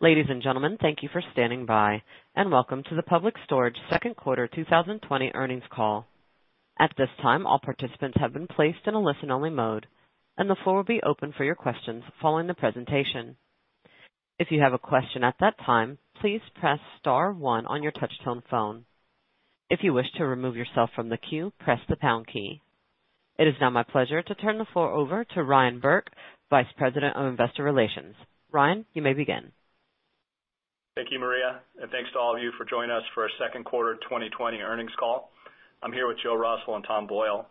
Ladies and gentlemen, thank you for standing by, and welcome to the Public Storage second quarter 2020 earnings call. At this time, all participants have been placed in a listen-only mode, and the floor will be open for your questions following the presentation. If you have a question at that time, please press star one on your touch-tone phone. If you wish to remove yourself from the queue, press the pound key. It is now my pleasure to turn the floor over to Ryan Burke, Vice President of Investor Relations. Ryan, you may begin. Thank you, Maria. Thanks to all of you for joining us for our second quarter 2020 earnings call. I'm here with Joe Russell and Tom Boyle.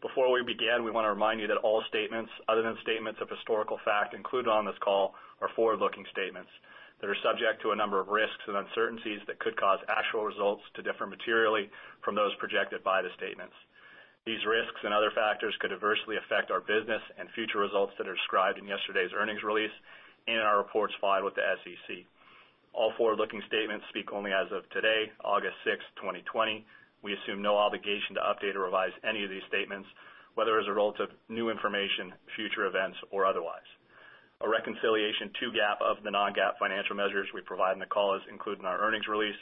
Before we begin, we want to remind you that all statements, other than statements of historical fact included on this call, are forward-looking statements that are subject to a number of risks and uncertainties that could cause actual results to differ materially from those projected by the statements. These risks and other factors could adversely affect our business and future results that are described in yesterday's earnings release and in our reports filed with the SEC. All forward-looking statements speak only as of today, August 6th, 2020. We assume no obligation to update or revise any of these statements, whether as a result of new information, future events, or otherwise. A reconciliation to GAAP of the non-GAAP financial measures we provide in the call is included in our earnings release.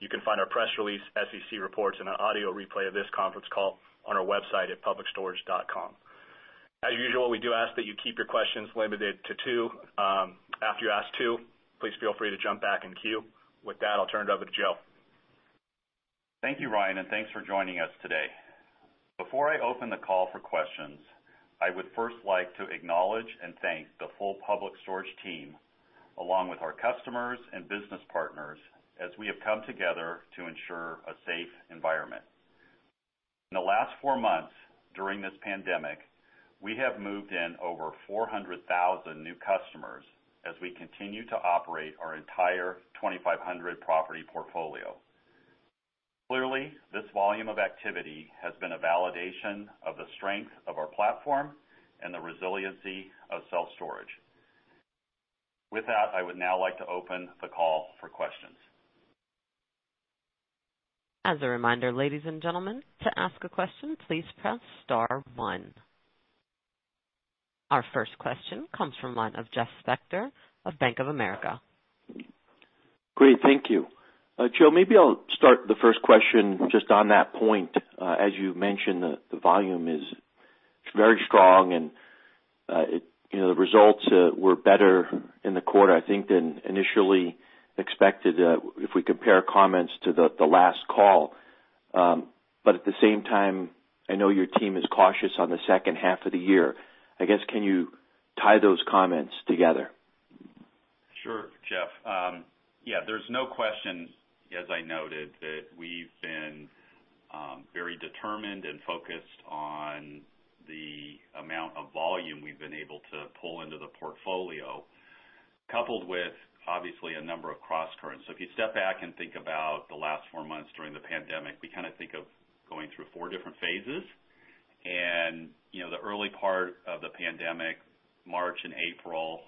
You can find our press release, SEC reports, and an audio replay of this conference call on our website at publicstorage.com. As usual, we do ask that you keep your questions limited to two. After you ask two, please feel free to jump back in queue. With that, I'll turn it over to Joe. Thank you, Ryan, and thanks for joining us today. Before I open the call for questions, I would first like to acknowledge and thank the full Public Storage team, along with our customers and business partners, as we have come together to ensure a safe environment. In the last four months, during this pandemic, we have moved in over 400,000 new customers as we continue to operate our entire 2,500 property portfolio. Clearly, this volume of activity has been a validation of the strength of our platform and the resiliency of self-storage. With that, I would now like to open the call for questions. As a reminder, ladies and gentlemen, to ask a question, please press star one. Our first question comes from the line of Jeff Spector of Bank of America. Great. Thank you. Joe, maybe I'll start the first question just on that point. As you mentioned, the volume is very strong and the results were better in the quarter, I think, than initially expected, if we compare comments to the last call. At the same time, I know your team is cautious on the second half of the year. I guess, can you tie those comments together? Sure, Jeff. There's no question, as I noted, that we've been very determined and focused on the amount of volume we've been able to pull into the portfolio, coupled with, obviously, a number of cross-currents. If you step back and think about the last four months during the pandemic, we kind of think of going through four different phases. The early part of the pandemic, March and April,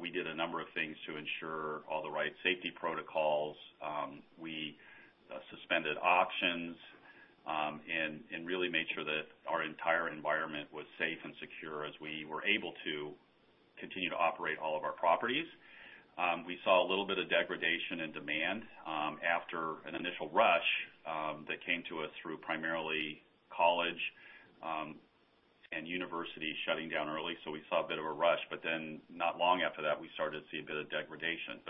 we did a number of things to ensure all the right safety protocols. We suspended auctions and really made sure that our entire environment was safe and secure as we were able to continue to operate all of our properties. We saw a little bit of degradation in demand after an initial rush that came to us through primarily college and university shutting down early. We saw a bit of a rush, not long after that, we started to see a bit of degradation.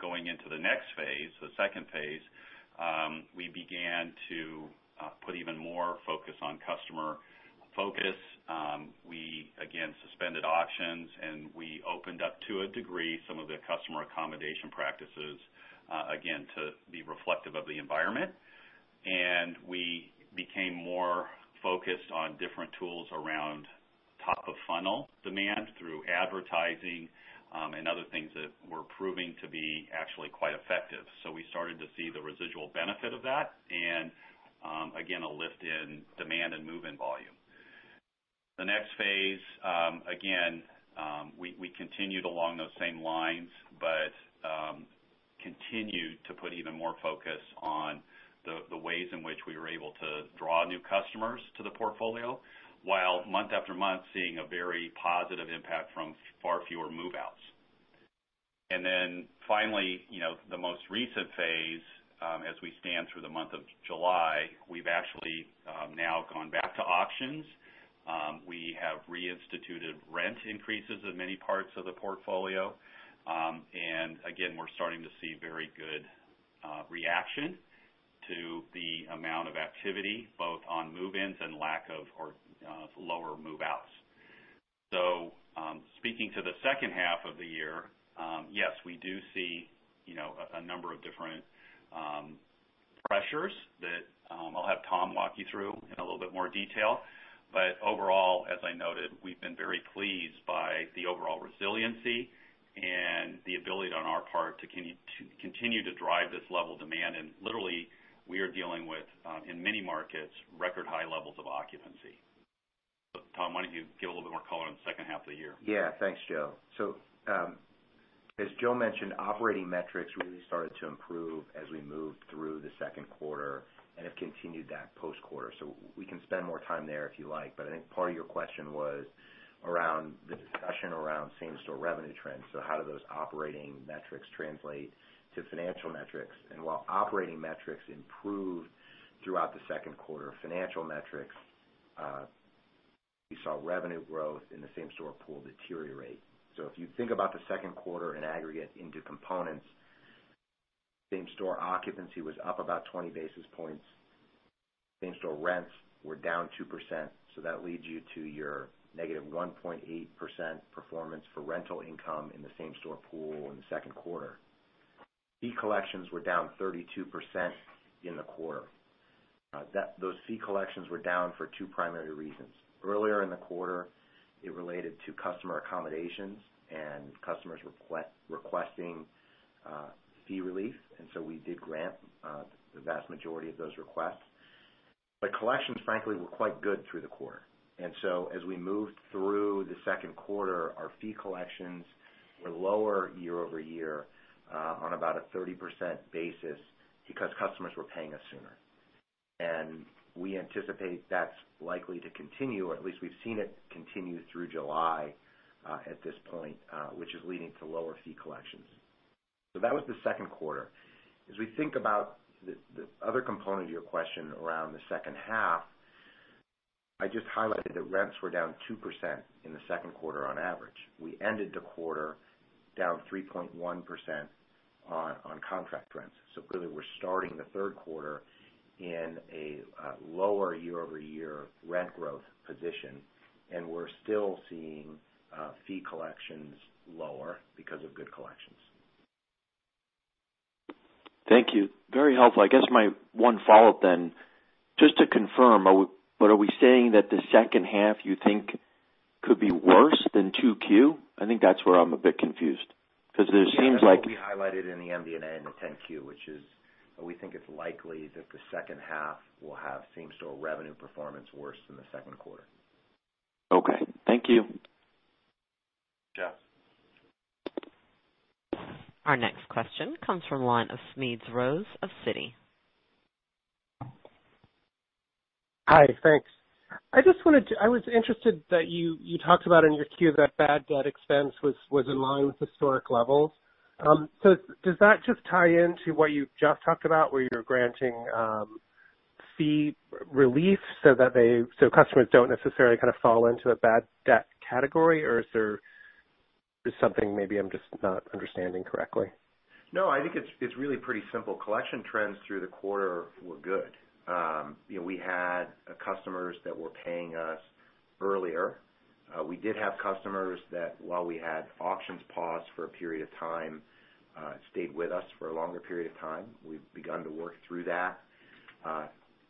Going into the next phase, the second phase, we began to put even more focus on customer focus. We, again, suspended auctions, and we opened up, to a degree, some of the customer accommodation practices, again, to be reflective of the environment. We became more focused on different tools around top-of-funnel demand through advertising and other things that were proving to be actually quite effective. We started to see the residual benefit of that and, again, a lift in demand and move-in volume. The next phase, again, we continued along those same lines, continued to put even more focus on the ways in which we were able to draw new customers to the portfolio, while month after month, seeing a very positive impact from far fewer move-outs. Finally, the most recent phase, as we stand through the month of July, we've actually now gone back to auctions. We have reinstituted rent increases in many parts of the portfolio. Again, we're starting to see very good reaction to the amount of activity, both on move-ins and lack of, or lower move-outs. Speaking to the second half of the year, yes, we do see a number of different pressures that I'll have Tom walk you through in a little bit more detail. Overall, as I noted, we've been very pleased by the overall resiliency and the ability on our part to continue to drive this level of demand, and literally, we are dealing with, in many markets, record high levels of occupancy. Tom, why don't you give a little bit more color on the second half of the year? Yeah. Thanks, Joe. As Joe mentioned, operating metrics really started to improve as we moved through the second quarter and have continued that post-quarter. We can spend more time there if you like. I think part of your question was around the discussion around same-store revenue trends. How do those operating metrics translate to financial metrics? While operating metrics improved throughout the second quarter, financial metrics, we saw revenue growth in the same-store pool deteriorate. If you think about the second quarter in aggregate into components, same-store occupancy was up about 20 basis points. Same-store rents were down 2%, so that leads you to your negative 1.8% performance for rental income in the same-store pool in the second quarter. Fee collections were down 32% in the quarter. Those fee collections were down for two primary reasons. Earlier in the quarter, it related to customer accommodations and customers requesting fee relief, we did grant the vast majority of those requests. Collections, frankly, were quite good through the quarter. As we moved through the second quarter, our fee collections were lower year-over-year on about a 30% basis because customers were paying us sooner. We anticipate that's likely to continue, or at least we've seen it continue through July at this point, which is leading to lower fee collections. That was the second quarter. As we think about the other component of your question around the second half, I just highlighted that rents were down 2% in the second quarter on average. We ended the quarter down 3.1% on contract rents. Clearly, we're starting the third quarter in a lower year-over-year rent growth position, and we're still seeing fee collections lower because of good collections. Thank you. Very helpful. I guess my one follow-up then, just to confirm, are we saying that the second half you think could be worse than 2Q? I think that's where I'm a bit confused. It seems like- Yeah. That will be highlighted in the MD&A and the 10-Q, which is we think it's likely that the second half will have same-store revenue performance worse than the second quarter. Okay. Thank you. Yeah. Our next question comes from the line of Smedes Rose of Citi. Hi. Thanks. I was interested that you talked about in your Q that bad debt expense was in line with historic levels. Does that just tie into what you just talked about, where you're granting fee relief so customers don't necessarily kind of fall into a bad debt category, or is there something maybe I'm just not understanding correctly? No, I think it's really pretty simple. Collection trends through the quarter were good. We had customers that were paying us earlier. We did have customers that, while we had auctions paused for a period of time, stayed with us for a longer period of time. We've begun to work through that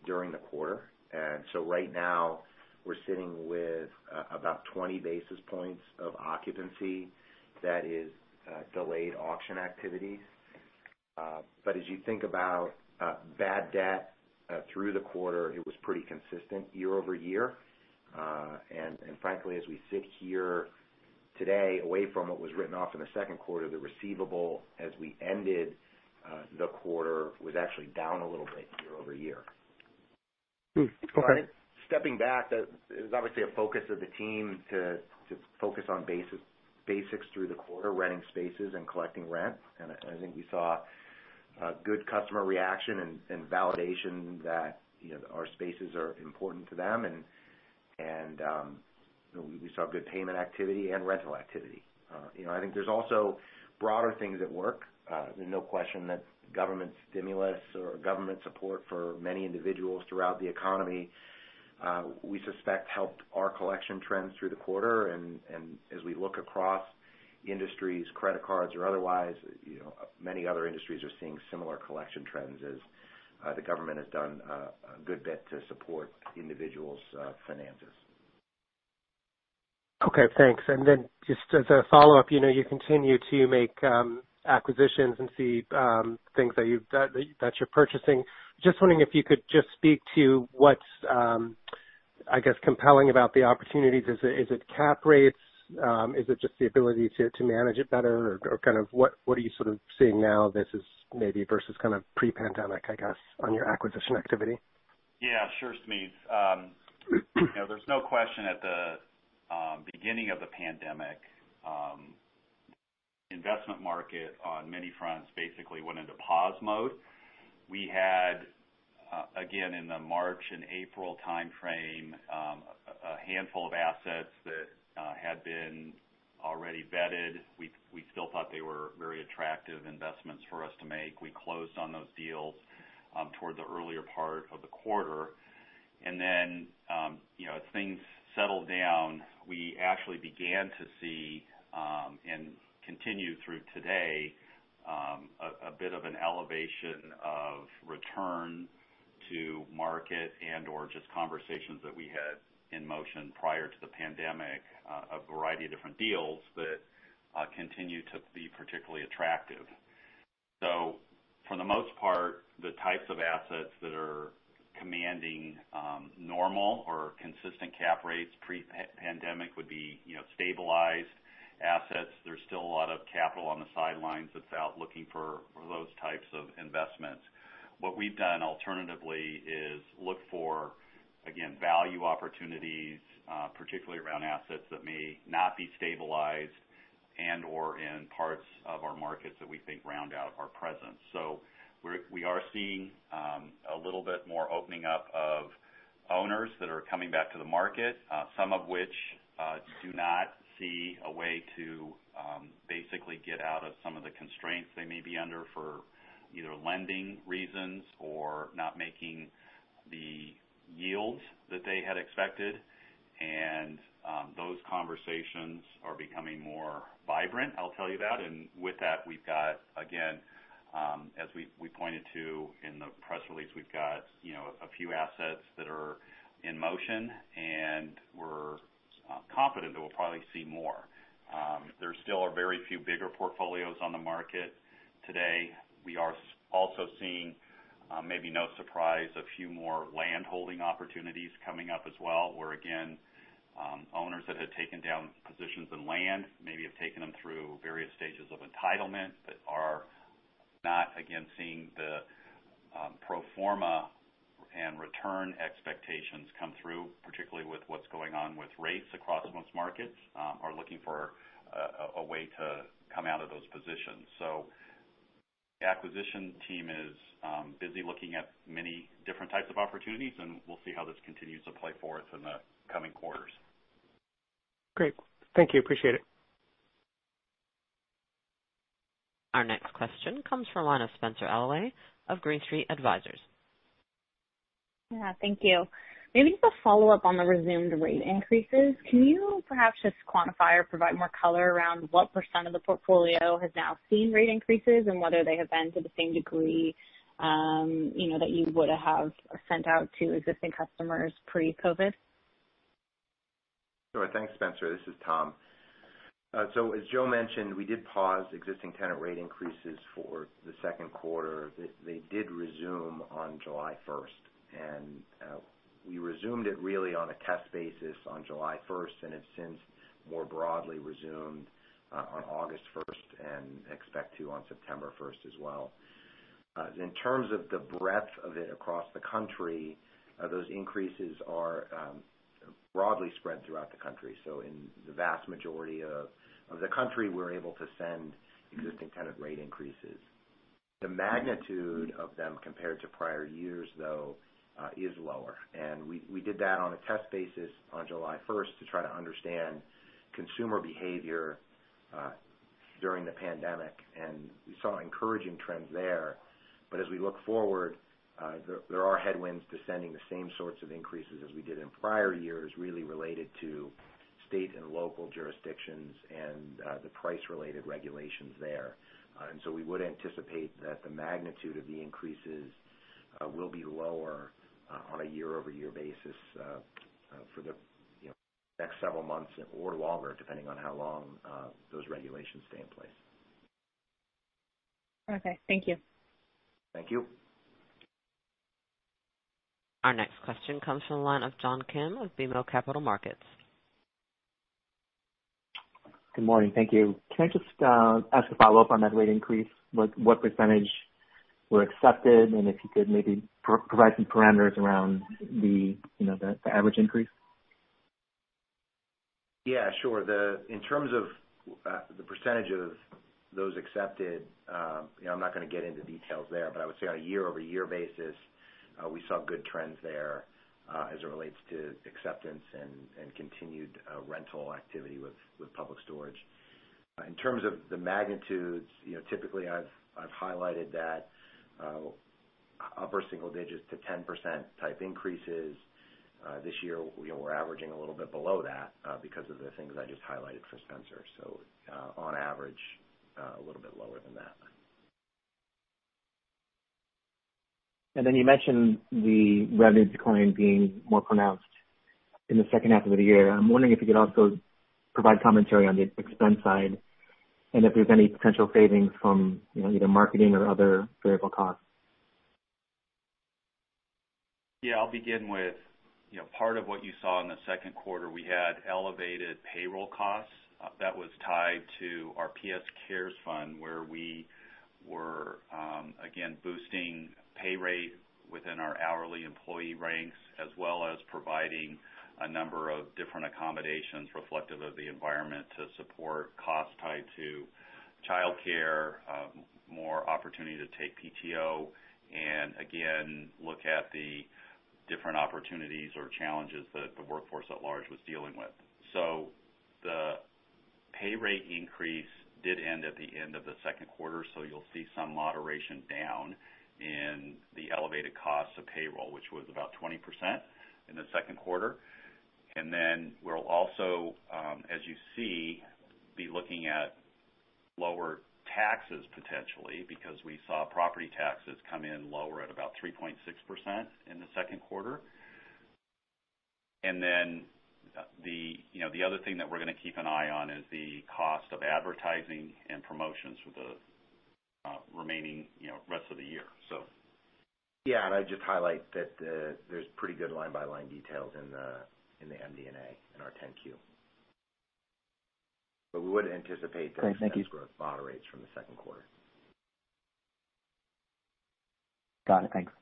during the quarter. Right now, we're sitting with about 20 basis points of occupancy that is delayed auction activities. As you think about bad debt through the quarter, it was pretty consistent year-over-year. Frankly, as we sit here today, away from what was written off in the second quarter, the receivable as we ended the quarter was actually down a little bit year-over-year. Hmm. Okay. Stepping back, that is obviously a focus of the team to focus on basics through the quarter, renting spaces and collecting rent. I think we saw a good customer reaction and validation that our spaces are important to them. We saw good payment activity and rental activity. I think there's also broader things at work. There's no question that government stimulus or government support for many individuals throughout the economy, we suspect helped our collection trends through the quarter. As we look across industries, credit cards or otherwise, many other industries are seeing similar collection trends as the government has done a good bit to support individuals' finances. Okay. Thanks. Just as a follow-up, you continue to make acquisitions and see things that you're purchasing. Just wondering if you could just speak to what's, I guess, compelling about the opportunities. Is it cap rates? Is it just the ability to manage it better? What are you sort of seeing now this is maybe versus kind of pre-pandemic, I guess, on your acquisition activity? Yeah. Sure, Smedes. There's no question at the beginning of the pandemic, investment market on many fronts basically went into pause mode. We had, again, in the March and April timeframe, a handful of assets that had been already vetted. We still thought they were very attractive investments for us to make. We closed on those deals toward the earlier part of the quarter. As things settled down, we actually began to see, and continue through today, a bit of an elevation of return to market and/or just conversations that we had in motion prior to the pandemic, a variety of different deals that continue to be particularly attractive. For the most part, the types of assets that are commanding normal or consistent cap rates pre-pandemic would be stabilized assets. There's still a lot of capital on the sidelines that's out looking for those types of investments. What we've done alternatively is look for, again, value opportunities, particularly around assets that may not be stabilized and/or in parts of our markets that we think round out our presence. We are seeing a little bit more opening up of owners that are coming back to the market, some of which do not see a way to basically get out of some of the constraints they may be under for either lending reasons or not making the yields that they had expected. And those conversations are becoming more vibrant, I'll tell you that. With that, we've got, again, as we pointed to in the press release, we've got a few assets that are in motion, and we're confident that we'll probably see more. There still are very few bigger portfolios on the market today. We are also seeing, maybe no surprise, a few more land holding opportunities coming up as well, where, again, owners that had taken down positions in land maybe have taken them through various stages of entitlement but are not, again, seeing the pro forma and return expectations come through, particularly with what's going on with rates across most markets, are looking for a way to come out of those positions. The acquisition team is busy looking at many different types of opportunities, and we'll see how this continues to play for us in the coming quarters. Great. Thank you. Appreciate it. Our next question comes from the line of Spenser Allaway of Green Street Advisors. Yeah, thank you. Maybe just a follow-up on the resumed rate increases. Can you perhaps just quantify or provide more color around what percent of the portfolio has now seen rate increases and whether they have been to the same degree, that you would have sent out to existing customers pre-COVID? Sure. Thanks, Spenser. This is Tom. As Joe mentioned, we did pause existing tenant rate increases for the second quarter. They did resume on July 1st, and we resumed it really on a test basis on July 1st and have since more broadly resumed on August 1st and expect to on September 1st as well. In terms of the breadth of it across the country, those increases are broadly spread throughout the country. In the vast majority of the country, we're able to send existing tenant rate increases. The magnitude of them compared to prior years, though, is lower. We did that on a test basis on July 1st to try to understand consumer behavior during the pandemic, and we saw encouraging trends there. As we look forward, there are headwinds to sending the same sorts of increases as we did in prior years, really related to state and local jurisdictions and the price-related regulations there. We would anticipate that the magnitude of the increases will be lower on a year-over-year basis for the next several months or longer, depending on how long those regulations stay in place. Okay. Thank you. Thank you. Our next question comes from the line of John Kim of BMO Capital Markets. Good morning. Thank you. Can I just ask a follow-up on that rate increase? What percentage were accepted, and if you could maybe provide some parameters around the average increase? Yeah, sure. In terms of the percentage of those accepted, I'm not going to get into details there, but I would say on a year-over-year basis, we saw good trends there as it relates to acceptance and continued rental activity with Public Storage. In terms of the magnitudes, typically, I've highlighted that upper single digits to 10% type increases. This year, we're averaging a little bit below that because of the things I just highlighted for Spenser. On average, a little bit lower than that. You mentioned the revenue decline being more pronounced in the second half of the year. I'm wondering if you could also provide commentary on the expense side and if there's any potential savings from either marketing or other variable costs. Yeah. I'll begin with part of what you saw in the second quarter, we had elevated payroll costs that was tied to our PS Cares Fund, where we were, again, boosting pay rate within our hourly employee ranks, as well as providing a number of different accommodations reflective of the environment to support costs tied to childcare, more opportunity to take PTO, and again, look at the different opportunities or challenges that the workforce at large was dealing with. The pay rate increase did end at the end of the second quarter, so you'll see some moderation down in the elevated cost of payroll, which was about 20% in the second quarter. We'll also, as you see, be looking at lower taxes potentially because we saw property taxes come in lower at about 3.6% in the second quarter. The other thing that we're going to keep an eye on is the cost of advertising and promotions for the remaining rest of the year. Yeah. I'd just highlight that there's pretty good line-by-line details in the MD&A in our 10-Q. Thanks. Thank you Growth moderates from the second quarter. Got it. Thanks.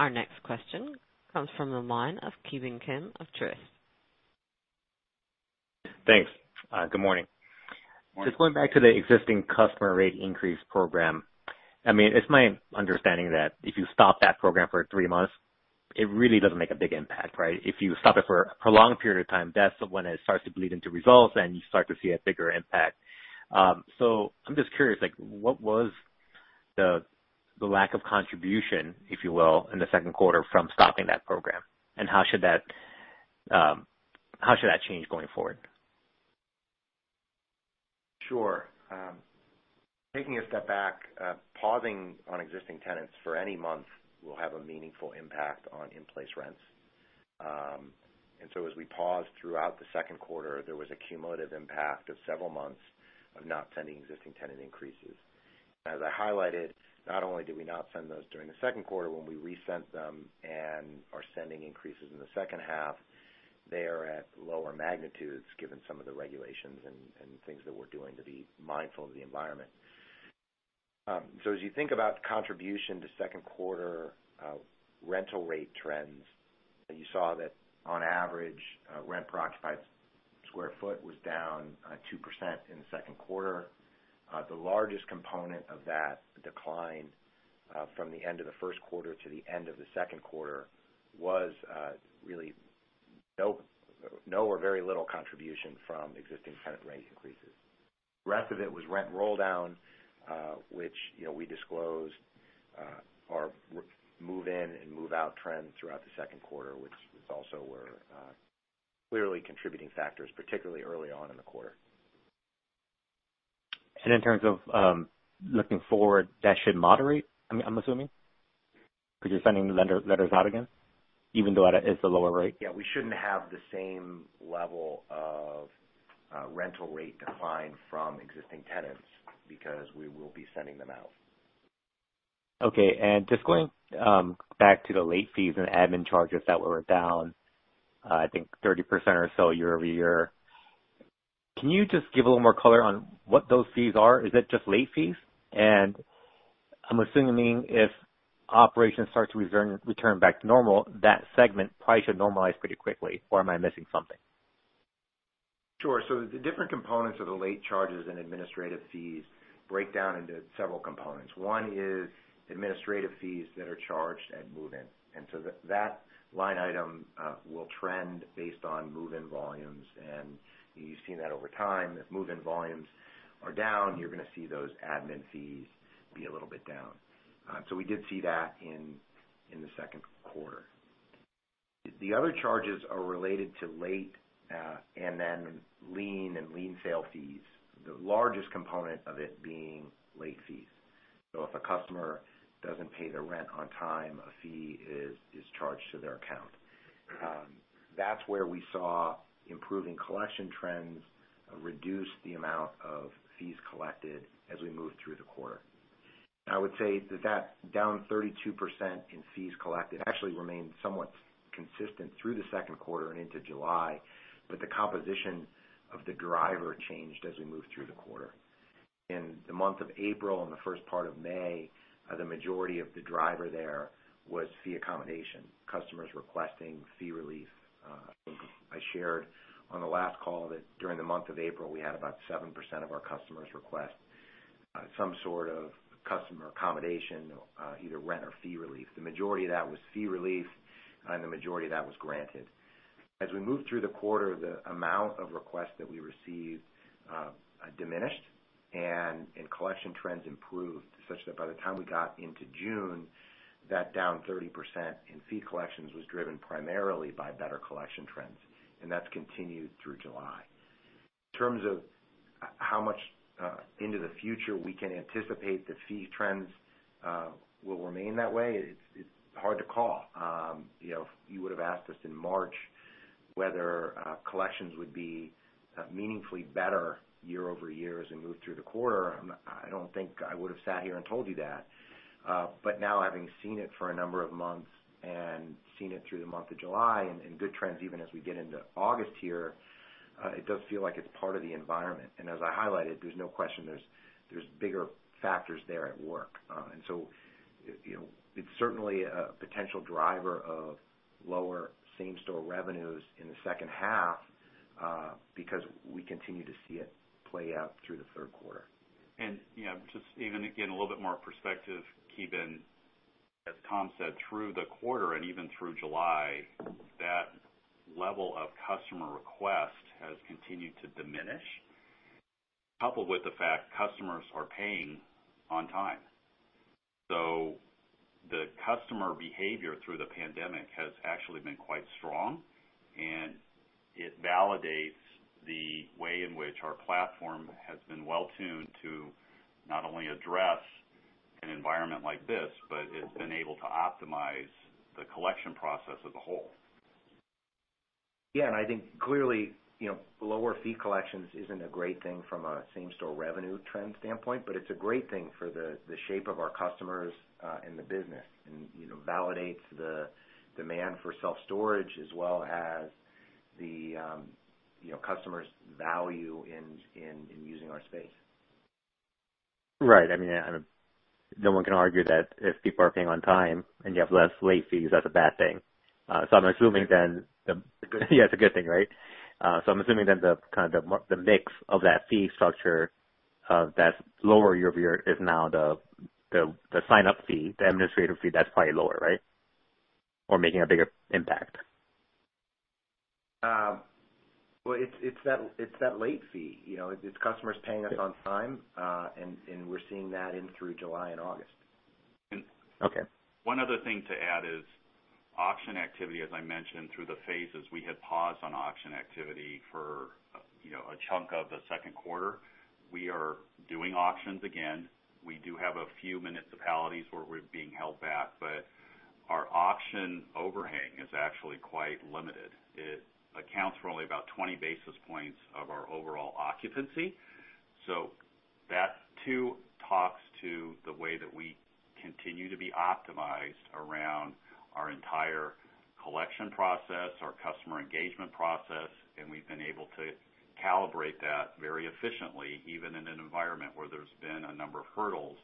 Our next question comes from the line of Ki Bin Kim of Truist. Thanks. Good morning. Morning. Just going back to the existing customer rate increase program. It's my understanding that if you stop that program for three months, it really doesn't make a big impact, right? If you stop it for a prolonged period of time, that's when it starts to bleed into results, and you start to see a bigger impact. I'm just curious, what was the lack of contribution, if you will, in the second quarter from stopping that program, and how should that change going forward? Sure. Taking a step back, pausing on existing tenants for any month will have a meaningful impact on in-place rents. As we paused throughout the second quarter, there was a cumulative impact of several months of not sending existing tenant increases. As I highlighted, not only did we not send those during the second quarter, when we resent them and are sending increases in the second half, they are at lower magnitudes given some of the regulations and things that we're doing to be mindful of the environment. As you think about contribution to second quarter rental rate trends, you saw that on average, rent per occupied square foot was down 2% in the second quarter. The largest component of that decline from the end of the first quarter to the end of the second quarter was really no or very little contribution from existing tenant rate increases. The rest of it was rent roll-down which we disclosed our move-in and move-out trend throughout the second quarter, which were clearly contributing factors, particularly early on in the quarter. In terms of looking forward, that should moderate, I'm assuming? Because you're sending the letters out again, even though it's a lower rate. Yeah, we shouldn't have the same level of rental rate decline from existing tenants because we will be sending them out. Okay. Just going back to the late fees and admin charges that were down, I think 30% or so year-over-year. Can you just give a little more color on what those fees are? Is it just late fees? I'm assuming if operations start to return back to normal, that segment probably should normalize pretty quickly, or am I missing something? Sure. The different components of the late charges and administrative fees break down into several components. One is administrative fees that are charged at move-in, and so that line item will trend based on move-in volumes, and you've seen that over time. If move-in volumes are down, you're going to see those admin fees be a little bit down. We did see that in the second quarter. The other charges are related to late and then lien and lien sale fees, the largest component of it being late fees. If a customer doesn't pay their rent on time, a fee is charged to their account. That's where we saw improving collection trends reduce the amount of fees collected as we moved through the quarter. I would say that down 32% in fees collected actually remained somewhat consistent through the second quarter and into July, the composition of the driver changed as we moved through the quarter. In the month of April and the first part of May, the majority of the driver there was fee accommodation, customers requesting fee relief. I shared on the last call that during the month of April, we had about 7% of our customers request some sort of customer accommodation, either rent or fee relief. The majority of that was fee relief, the majority of that was granted. As we moved through the quarter, the amount of requests that we received diminished, collection trends improved, such that by the time we got into June, that down 30% in fee collections was driven primarily by better collection trends, that's continued through July. In terms of how much into the future we can anticipate the fee trends will remain that way, it's hard to call. If you would've asked us in March whether collections would be meaningfully better year-over-year as we moved through the quarter, I don't think I would've sat here and told you that. Now, having seen it for a number of months and seen it through the month of July and good trends even as we get into August here, it does feel like it's part of the environment. As I highlighted, there's no question, there's bigger factors there at work. So, it's certainly a potential driver of lower same-store revenues in the second half because we continue to see it play out through the third quarter. Just even, again, a little bit more perspective, Ki Bin, as Tom said, through the quarter and even through July, that level of customer request has continued to diminish, coupled with the fact customers are paying on time. The customer behavior through the pandemic has actually been quite strong. It validates the way in which our platform has been well-tuned to not only address an environment like this, but it's been able to optimize the collection process as a whole. I think clearly, lower fee collections isn't a great thing from a same-store revenue trend standpoint, it's a great thing for the shape of our customers, and the business, and validates the demand for self-storage as well as the customers' value in using our space. Right. No one can argue that if people are paying on time and you have less late fees, that's a bad thing. It's a good thing. Yeah, it's a good thing, right? I'm assuming then the mix of that fee structure of that lower year-over-year is now the sign-up fee, the administrative fee, that's probably lower, right, or making a bigger impact. Well, it's that late fee. It's customers paying us on time, and we're seeing that in through July and August. Okay. One other thing to add is auction activity, as I mentioned, through the phases, we had paused on auction activity for a chunk of the second quarter. We are doing auctions again. We do have a few municipalities where we're being held back, our auction overhang is actually quite limited. It accounts for only about 20 basis points of our overall occupancy. That too talks to the way that we continue to be optimized around our entire collection process, our customer engagement process, and we've been able to calibrate that very efficiently, even in an environment where there's been a number of hurdles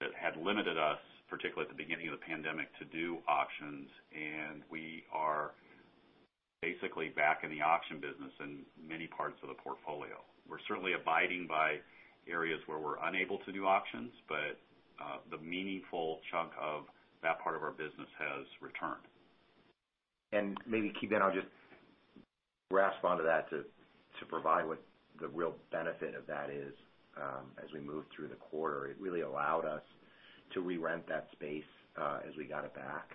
that had limited us, particularly at the beginning of the pandemic, to do auctions, and we are basically back in the auction business in many parts of the portfolio. We're certainly abiding by areas where we're unable to do auctions, but the meaningful chunk of that part of our business has returned. Maybe, Ki Bin, I'll just grasp onto that to provide what the real benefit of that is, as we moved through the quarter. It really allowed us to re-rent that space, as we got it back.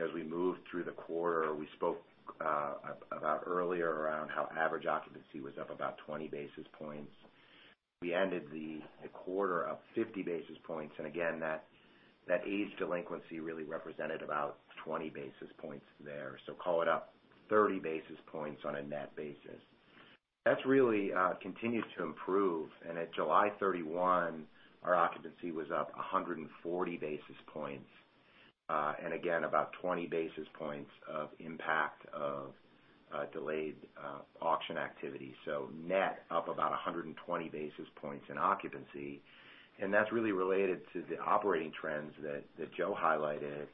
As we moved through the quarter, we spoke about earlier around how average occupancy was up about 20 basis points. We ended the quarter up 50 basis points, and again, that aged delinquency really represented about 20 basis points there. Call it up 30 basis points on a net basis. That's really continued to improve, and at July 31, our occupancy was up 140 basis points. Again, about 20 basis points of impact of delayed auction activity. Net, up about 120 basis points in occupancy, and that's really related to the operating trends that Joe highlighted,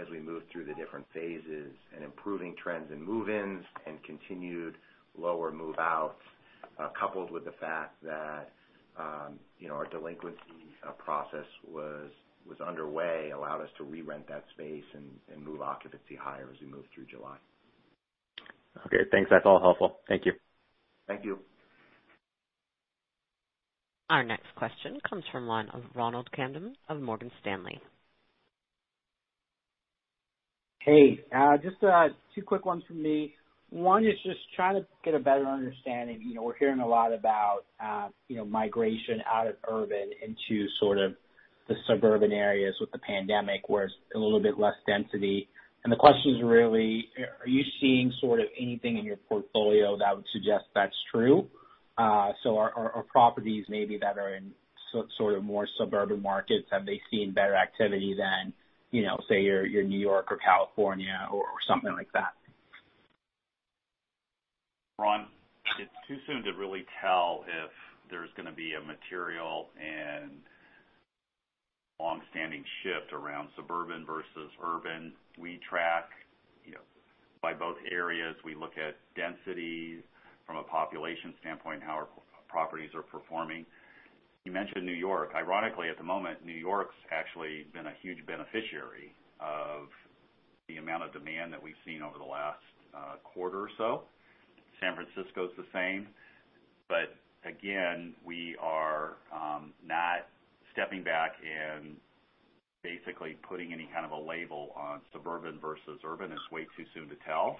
as we moved through the different phases and improving trends in move-ins and continued lower move-outs, coupled with the fact that our delinquency process was underway, allowed us to re-rent that space and move occupancy higher as we moved through July. Okay, thanks. That's all helpful. Thank you. Thank you. Our next question comes from the line of Ronald Kamdem of Morgan Stanley. Hey, just two quick ones from me. One is just trying to get a better understanding. We're hearing a lot about migration out of urban into sort of the suburban areas with the pandemic where it's a little bit less density. The question is really, are you seeing sort of anything in your portfolio that would suggest that's true? Our properties maybe that are in sort of more suburban markets, have they seen better activity than, say, your New York or California or something like that? Ron, it's too soon to really tell if there's going to be a material and longstanding shift around suburban versus urban. We track by both areas. We look at density from a population standpoint and how our properties are performing. You mentioned New York. Ironically, at the moment, New York's actually been a huge beneficiary of the amount of demand that we've seen over the last quarter or so. San Francisco's the same. Again, we are not stepping back and basically putting any kind of a label on suburban versus urban. It's way too soon to tell.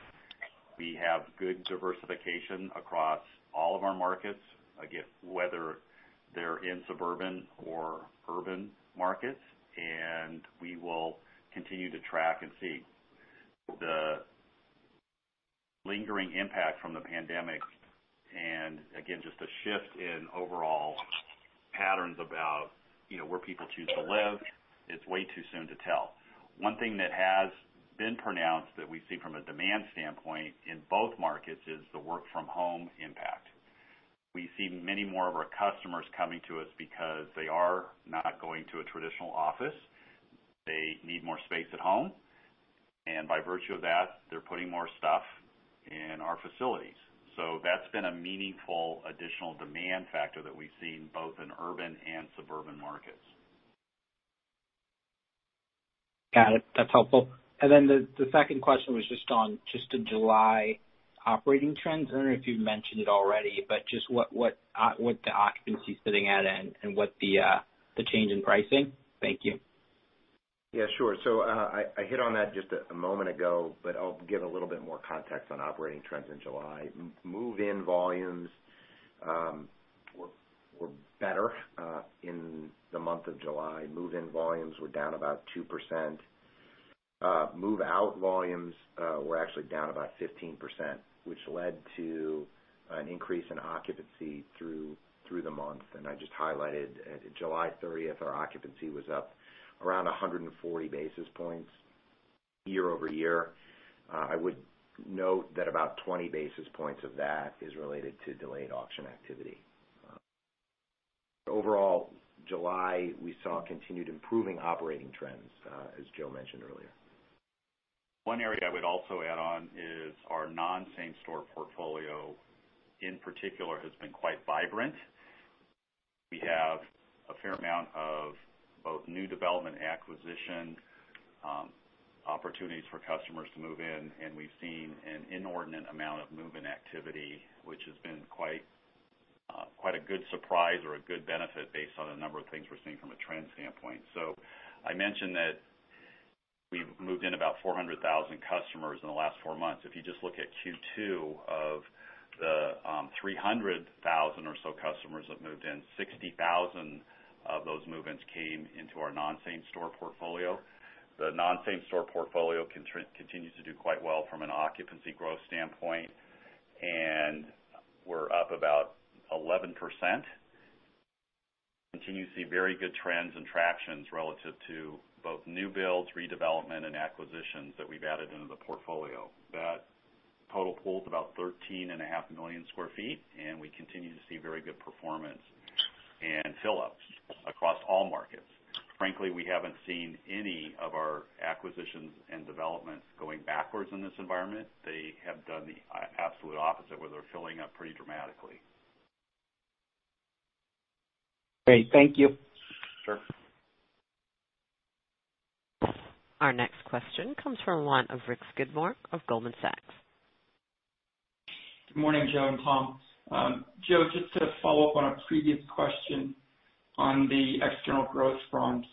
We have good diversification across all of our markets, again, whether they're in suburban or urban markets, and we will continue to track and see. The lingering impact from the pandemic and again, just a shift in overall patterns about where people choose to live, it's way too soon to tell. One thing that has been pronounced that we see from a demand standpoint in both markets is the work from home impact. We see many more of our customers coming to us because they are not going to a traditional office. They need more space at home, and by virtue of that, they're putting more stuff in our facilities. That's been a meaningful additional demand factor that we've seen both in urban and suburban markets. Got it. That's helpful. The second question was just on just the July operating trends, I don't know if you've mentioned it already, but just what the occupancy's sitting at and what the change in pricing? Thank you. Yeah, sure. I hit on that just a moment ago, but I'll give a little bit more context on operating trends in July. Move-in volumes were better in the month of July. Move-in volumes were down about 2%. Move-out volumes were actually down about 15%, which led to an increase in occupancy through the month. I just highlighted, as of July 30th, our occupancy was up around 140 basis points year-over-year. I would note that about 20 basis points of that is related to delayed auction activity. Overall, July, we saw continued improving operating trends, as Joe mentioned earlier. One area I would also add on is our non-same-store portfolio, in particular, has been quite vibrant. We have a fair amount of both new development acquisition opportunities for customers to move in, and we've seen an inordinate amount of move-in activity, which has been quite a good surprise or a good benefit based on the number of things we're seeing from a trend standpoint. I mentioned that we've moved in about 400,000 customers in the last four months. If you just look at Q2, of the 300,000 or so customers that moved in, 60,000 of those move-ins came into our non-same-store portfolio. The non-same-store portfolio continues to do quite well from an occupancy growth standpoint, and we're up about 11%. Continue to see very good trends and tractions relative to both new builds, redevelopment, and acquisitions that we've added into the portfolio. That total pool's about 13.5 million square feet, and we continue to see very good performance and fill-ups across all markets. Frankly, we haven't seen any of our acquisitions and developments going backwards in this environment. They have done the absolute opposite, where they're filling up pretty dramatically. Great. Thank you. Sure. Our next question comes from the line of Rick Skidmore of Goldman Sachs. Good morning, Joe and Tom. Joe, just to follow up on a previous question on the external growth fronts.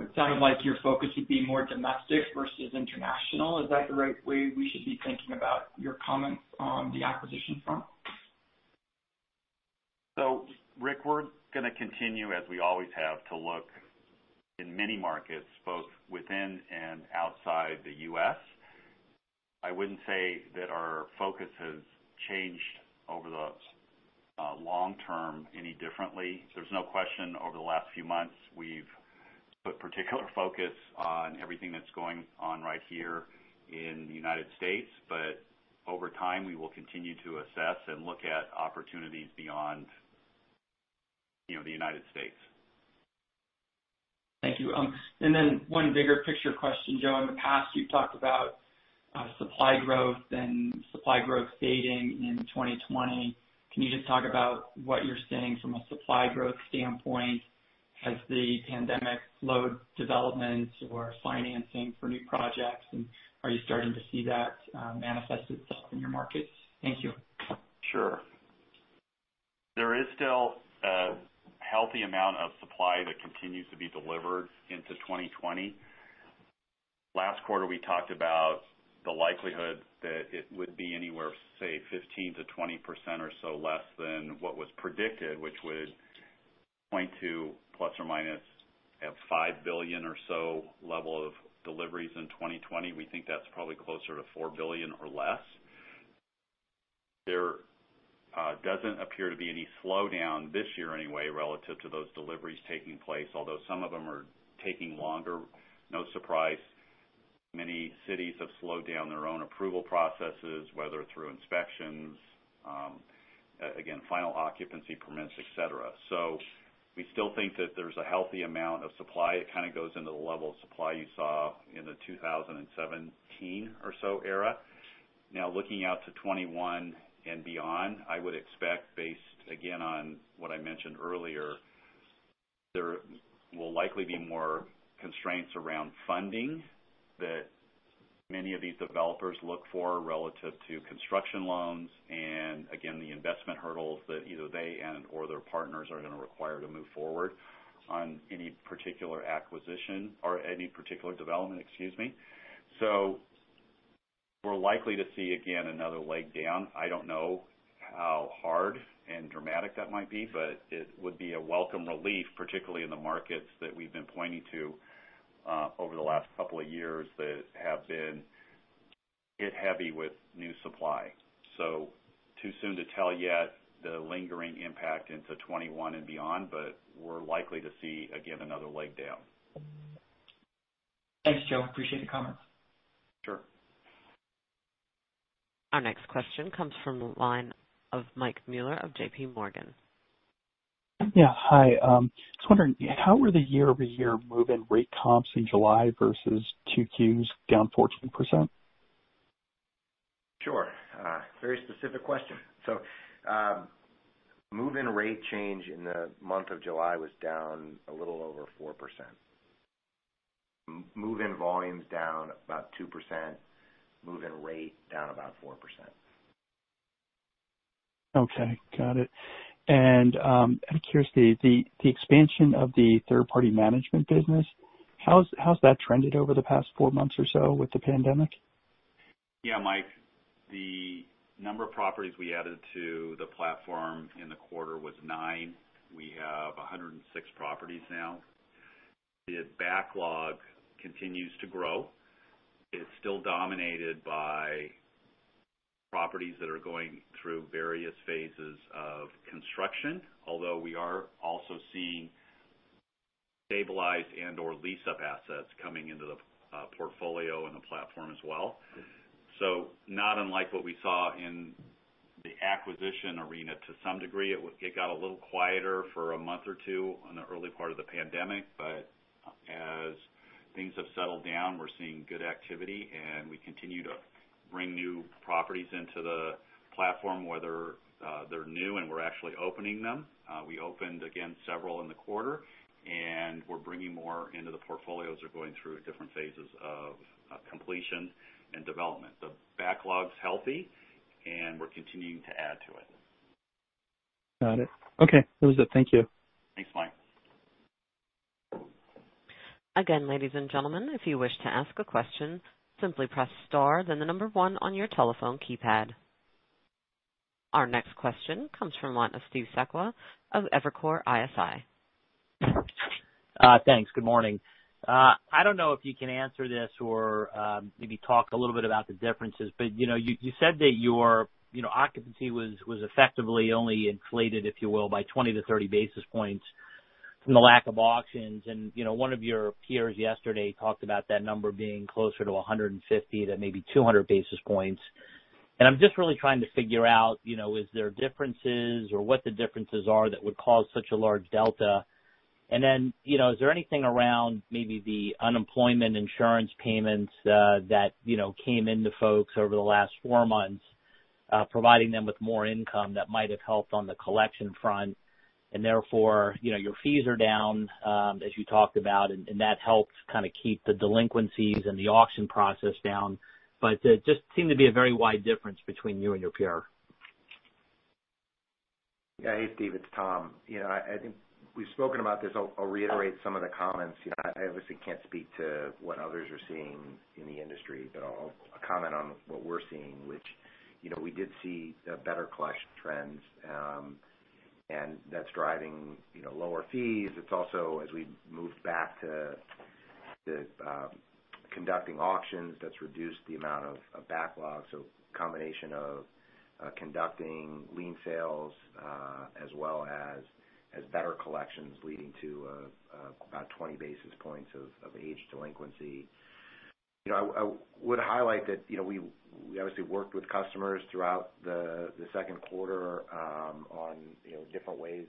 It sounded like your focus would be more domestic versus international. Is that the right way we should be thinking about your comments on the acquisition front? Rick, we're going to continue, as we always have, to look in many markets, both within and outside the U.S. I wouldn't say that our focus has changed over the long term any differently. There's no question, over the last few months, we've put particular focus on everything that's going on right here in the United States. Over time, we will continue to assess and look at opportunities beyond the United States. Thank you. Then one bigger picture question, Joe. In the past, you've talked about supply growth and supply growth fading in 2020. Can you just talk about what you're seeing from a supply growth standpoint? Has the pandemic slowed development or financing for new projects, and are you starting to see that manifest itself in your markets? Thank you. Sure. There is still a healthy amount of supply that continues to be delivered into 2020. Last quarter, we talked about the likelihood that it would be anywhere, say, 15%-20% or so less than what was predicted, which would point to ±$5 billion or so level of deliveries in 2020. We think that's probably closer to $4 billion or less. There doesn't appear to be any slowdown this year anyway, relative to those deliveries taking place, although some of them are taking longer. No surprise, many cities have slowed down their own approval processes, whether through inspections, again, final occupancy permits, et cetera. We still think that there's a healthy amount of supply. It kind of goes into the level of supply you saw in the 2017 or so era. Looking out to 2021 and beyond, I would expect, based, again, on what I mentioned earlier, there will likely be more constraints around funding that many of these developers look for relative to construction loans and again, the investment hurdles that either they and/or their partners are going to require to move forward on any particular acquisition or any particular development, excuse me. We're likely to see, again, another leg down. I don't know how hard and dramatic that might be, but it would be a welcome relief, particularly in the markets that we've been pointing to over the last couple of years, that have been hit heavy with new supply. Too soon to tell yet the lingering impact into 2021 and beyond, but we're likely to see, again, another leg down. Thanks, Joe. Appreciate the comments. Sure. Our next question comes from the line of Mike Mueller of JPMorgan. Yeah, hi. Just wondering, how were the year-over-year move-in rate comps in July versus 2Q's down 14%? Sure. Very specific question. Move-in rate change in the month of July was down a little over 4%. Move-in volume's down about 2%, move-in rate down about 4%. Okay. Got it. Out of curiosity, the expansion of the third-party management business, how's that trended over the past four months or so with the pandemic? Yeah, Mike, the number of properties we added to the platform in the quarter was nine. We have 106 properties now. The backlog continues to grow. It's still dominated by properties that are going through various phases of construction. Although we are also seeing stabilized and/or lease-up assets coming into the portfolio and the platform as well. Not unlike what we saw in the acquisition arena to some degree, it got a little quieter for a month or two in the early part of the pandemic. As things have settled down, we're seeing good activity, and we continue to bring new properties into the platform, whether they're new and we're actually opening them. We opened again several in the quarter, and we're bringing more into the portfolios that are going through different phases of completion and development. The backlog's healthy, and we're continuing to add to it. Got it. Okay. That was it. Thank you. Thanks, Mike. Again, ladies and gentlemen, if you wish to ask a question, simply press star then the number one on your telephone keypad. Our next question comes from one of Steve Sakwa of Evercore ISI. Thanks. Good morning. I don't know if you can answer this or maybe talk a little bit about the differences, but you said that your occupancy was effectively only inflated, if you will, by 20 basis points-30 basis points from the lack of auctions. One of your peers yesterday talked about that number being closer to 150 to maybe 200 basis points. I'm just really trying to figure out, is there differences or what the differences are that would cause such a large delta? Is there anything around maybe the unemployment insurance payments that came into folks over the last four months providing them with more income that might have helped on the collection front, and therefore, your fees are down as you talked about, and that helps kind of keep the delinquencies and the auction process down? It just seemed to be a very wide difference between you and your peer. Hey, Steve, it's Tom. I think we've spoken about this. I'll reiterate some of the comments. I obviously can't speak to what others are seeing in the industry, but I'll comment on what we're seeing, which we did see better collection trends. That's driving lower fees. It's also as we moved back to conducting auctions, that's reduced the amount of backlogs. Combination of conducting lien sales as well as better collections leading to about 20 basis points of aged delinquency. I would highlight that we obviously worked with customers throughout the second quarter on different ways.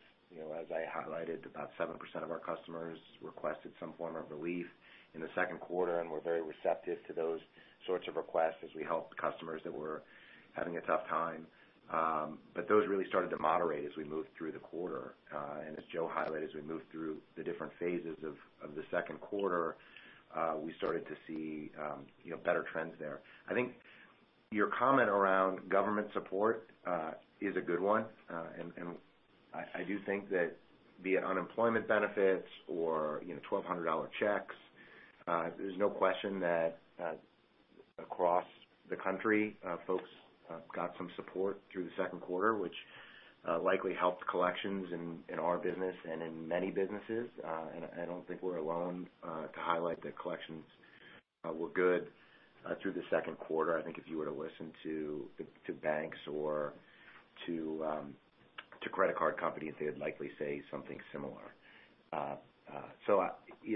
As I highlighted, about 7% of our customers requested some form of relief in the second quarter. We're very receptive to those sorts of requests as we helped customers that were having a tough time. Those really started to moderate as we moved through the quarter. As Joe highlighted, as we moved through the different phases of the second quarter, we started to see better trends there. I think your comment around government support is a good one. I do think that be it unemployment benefits or $1,200 checks, there's no question that across the country folks got some support through the second quarter, which likely helped collections in our business and in many businesses. I don't think we're alone to highlight that collections were good through the second quarter. I think if you were to listen to banks or to credit card companies, they'd likely say something similar.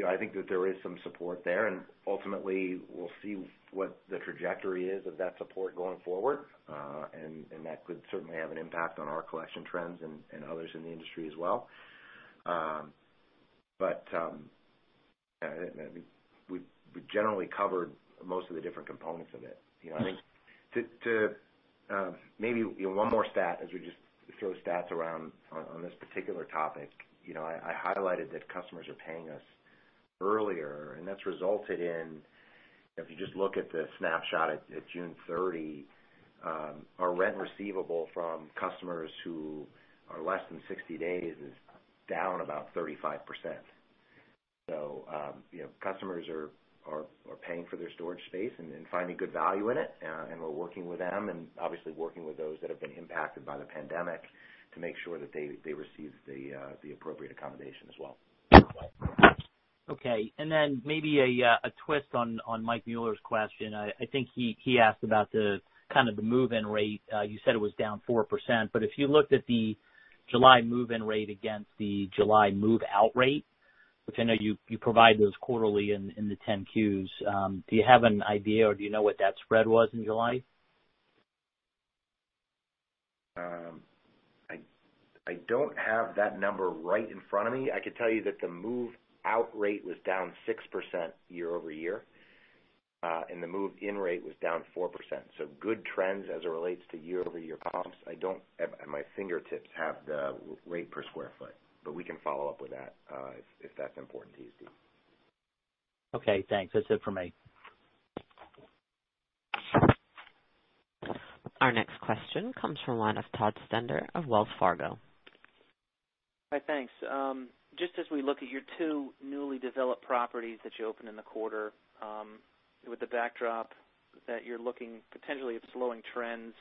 I think that there is some support there, and ultimately we'll see what the trajectory is of that support going forward. That could certainly have an impact on our collection trends and others in the industry as well. We generally covered most of the different components of it. Maybe one more stat as we just throw stats around on this particular topic. I highlighted that customers are paying us earlier, and that's resulted in, if you just look at the snapshot at June 30, our rent receivable from customers who are less than 60 days is down about 35%. Customers are paying for their storage space and finding good value in it. We're working with them and obviously working with those that have been impacted by the pandemic to make sure that they receive the appropriate accommodation as well. Okay. Maybe a twist on Mike Mueller's question. I think he asked about the move-in rate. You said it was down 4%. If you looked at the July move-in rate against the July move-out rate, which I know you provide those quarterly in the 10-Qs, do you have an idea, or do you know what that spread was in July? I don't have that number right in front of me. I could tell you that the move-out rate was down 6% year-over-year. The move-in rate was down 4%. Good trends as it relates to year-over-year comps. I don't at my fingertips have the rate per square foot, but we can follow up with that if that's important to you, Steve. Okay, thanks. That's it for me. Our next question comes from the line of Todd Stender of Wells Fargo. Hi, thanks. Just as we look at your two newly developed properties that you opened in the quarter, with the backdrop that you're looking potentially at slowing trends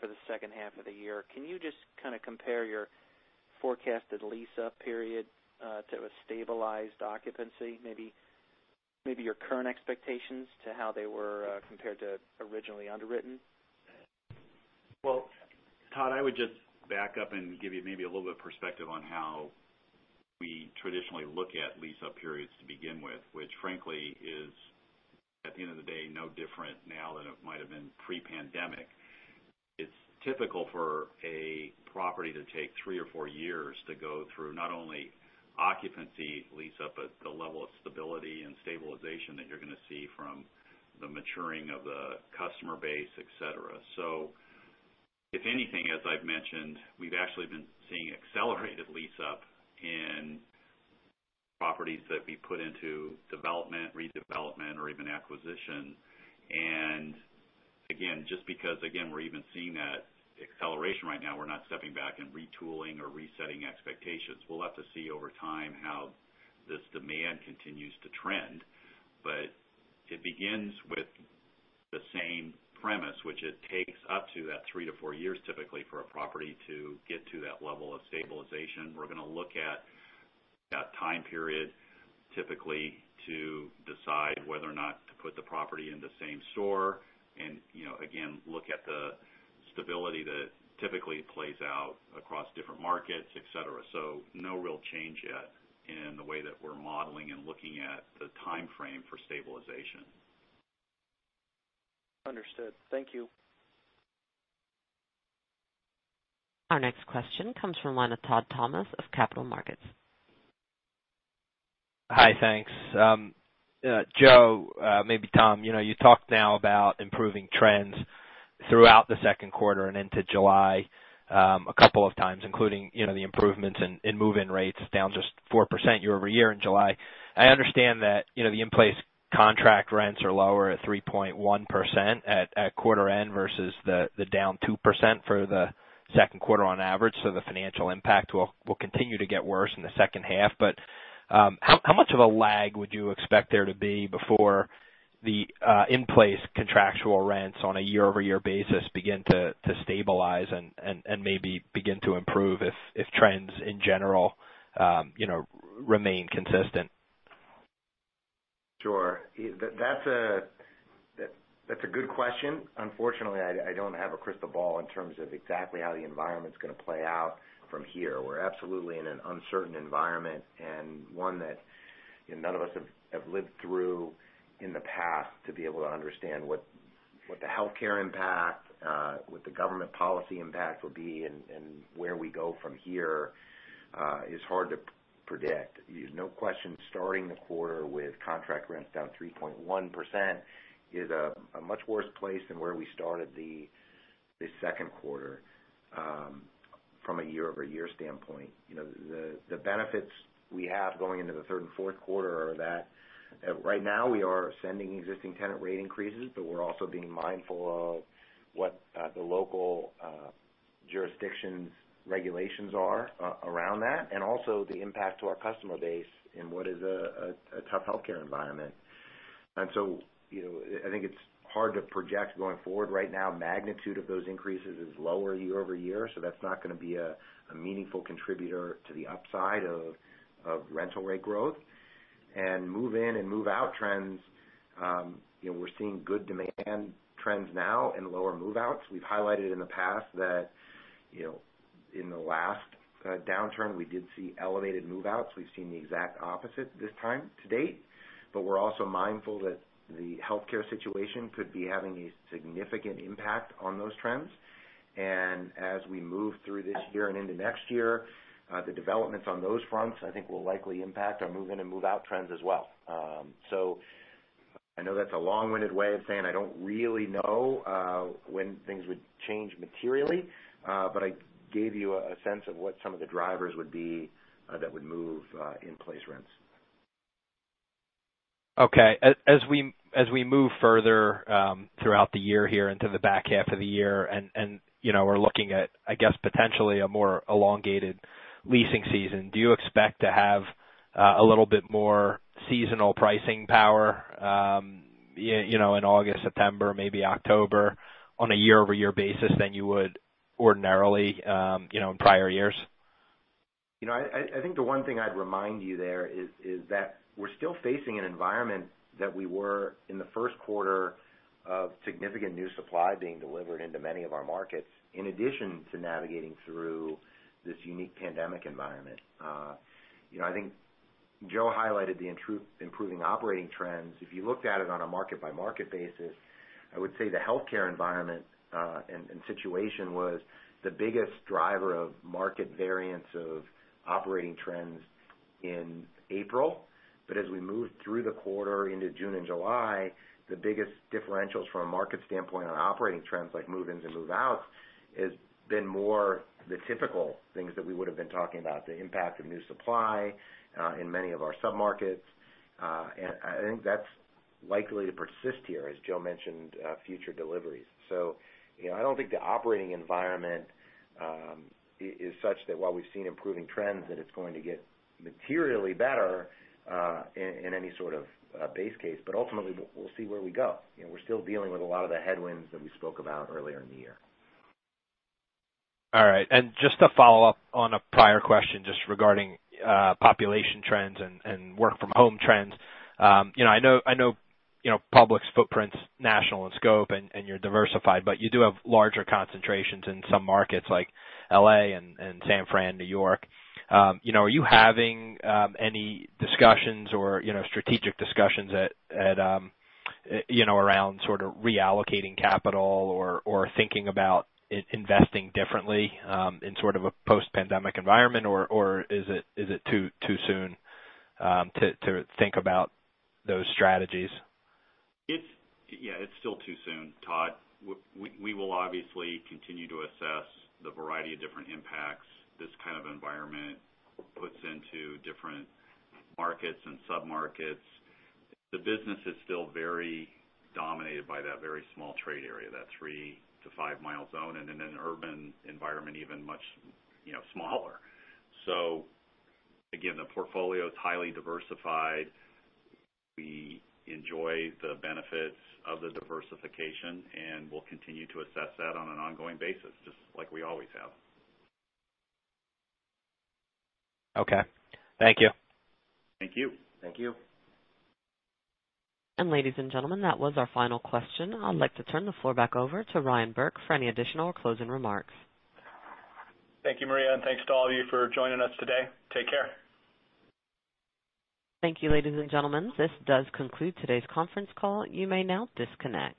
for the second half of the year, can you just kind of compare your forecasted lease-up period to a stabilized occupancy? Maybe your current expectations to how they were compared to originally underwritten? Well, Todd, I would just back up and give you maybe a little bit of perspective on how we traditionally look at lease-up periods to begin with, which frankly is, at the end of the day, no different now than it might've been pre-pandemic. It's typical for a property to take three or four years to go through not only occupancy lease-up, but the level of stability and stabilization that you're going to see from the maturing of the customer base, et cetera. If anything, as I've mentioned, we've actually been seeing accelerated lease-up in properties that we put into development, redevelopment, or even acquisition. Again, just because, again, we're even seeing that acceleration right now, we're not stepping back and retooling or resetting expectations. We'll have to see over time how this demand continues to trend. It begins with the same premise, which it takes up to that three to four years, typically, for a property to get to that level of stabilization. We're going to look at that time period typically to decide whether or not to put the property in the same-store and, again, look at the stability that typically plays out across different markets, et cetera. No real change yet in the way that we're modeling and looking at the timeframe for stabilization. Understood. Thank you. Our next question comes from the line of Todd Thomas of Capital Markets. Hi, thanks. Joe, maybe Tom, you talked now about improving trends throughout the second quarter and into July, a couple of times, including the improvements in move-in rates down just 4% year-over-year in July. I understand that the in-place contract rents are lower at 3.1% at quarter end versus the down 2% for the second quarter on average, so the financial impact will continue to get worse in the second half. How much of a lag would you expect there to be before the in-place contractual rents on a year-over-year basis begin to stabilize and maybe begin to improve if trends in general remain consistent? Sure. That's a good question. Unfortunately, I don't have a crystal ball in terms of exactly how the environment's going to play out from here. We're absolutely in an uncertain environment, and one that none of us have lived through in the past to be able to understand what the healthcare impact, what the government policy impact will be, and where we go from here, is hard to predict. No question, starting the quarter with contract rents down 3.1% is a much worse place than where we started the second quarter from a year-over-year standpoint. The benefits we have going into the third and fourth quarter are that right now we are sending existing tenant rate increases, but we're also being mindful of what the local jurisdictions' regulations are around that. Also the impact to our customer base in what is a tough healthcare environment. I think it's hard to project going forward right now. Magnitude of those increases is lower year-over-year, so that's not going to be a meaningful contributor to the upside of rental rate growth. Move-in and move-out trends, we're seeing good demand trends now and lower move-outs. We've highlighted in the past that in the last downturn, we did see elevated move-outs. We've seen the exact opposite this time to date, but we're also mindful that the healthcare situation could be having a significant impact on those trends. As we move through this year and into next year, the developments on those fronts, I think, will likely impact our move-in and move-out trends as well. I know that's a long-winded way of saying I don't really know when things would change materially. I gave you a sense of what some of the drivers would be that would move in-place rents. Okay. As we move further throughout the year here into the back half of the year, and we're looking at, I guess, potentially a more elongated leasing season, do you expect to have a little bit more seasonal pricing power in August, September, maybe October, on a year-over-year basis than you would ordinarily in prior years? I think the one thing I'd remind you there is that we're still facing an environment that we were in the first quarter of significant new supply being delivered into many of our markets, in addition to navigating through this unique pandemic environment. I think Joe highlighted the improving operating trends. If you looked at it on a market-by-market basis, I would say the healthcare environment and situation was the biggest driver of market variance of operating trends in April. As we moved through the quarter into June and July, the biggest differentials from a market standpoint on operating trends like move-ins and move-outs, has been more the typical things that we would've been talking about, the impact of new supply in many of our sub-markets. I think that's likely to persist here, as Joe mentioned, future deliveries. I don't think the operating environment is such that while we've seen improving trends, that it's going to get materially better in any sort of base case, but ultimately, we'll see where we go. We're still dealing with a lot of the headwinds that we spoke about earlier in the year. All right. Just to follow up on a prior question, just regarding population trends and work from home trends. I know Public's footprint's national in scope and you're diversified, but you do have larger concentrations in some markets like L.A. and San Fran, New York. Are you having any discussions or strategic discussions around sort of reallocating capital or thinking about investing differently in sort of a post-pandemic environment, or is it too soon to think about those strategies? Yeah, it's still too soon, Todd. We will obviously continue to assess the variety of different impacts this kind of environment puts into different markets and sub-markets. The business is still very dominated by that very small trade area, that three to five mile zone, and in an urban environment, even much smaller. Again, the portfolio is highly diversified. We enjoy the benefits of the diversification, and we'll continue to assess that on an ongoing basis, just like we always have. Okay. Thank you. Thank you. Thank you. Ladies and gentlemen, that was our final question. I'd like to turn the floor back over to Ryan Burke for any additional closing remarks. Thank you, Maria, and thanks to all of you for joining us today. Take care. Thank you, ladies and gentlemen, this does conclude today's conference call. You may now disconnect.